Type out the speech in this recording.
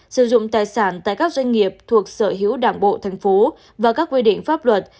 sử dụng tài sản tại các doanh nghiệp thuộc sở hữu đảng bộ thành phố và các quy định pháp luật